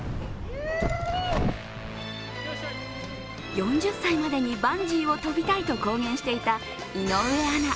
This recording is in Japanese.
４０歳までにバンジーを跳びたいと公言していた井上アナ。